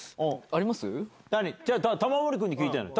玉森君に聞いてるのよ。